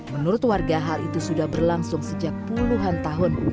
menurut warga hal itu sudah berlangsung sejak puluhan tahun